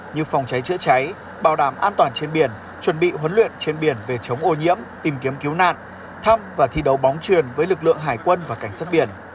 như phòng cháy chữa cháy bảo đảm an toàn trên biển chuẩn bị huấn luyện trên biển về chống ô nhiễm tìm kiếm cứu nạn thăm và thi đấu bóng truyền với lực lượng hải quân và cảnh sát biển